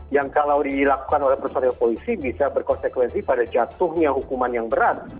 yang kalau dilakukan oleh personil polisi bisa berkonsekuensi pada jatuhnya hukuman yang berat